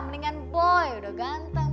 mendingan boy udah ganteng